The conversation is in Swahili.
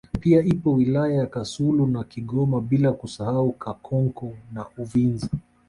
Pia ipo wilaya ya Kasulu na Kigoma bila kusahau Kakonko na Uvinza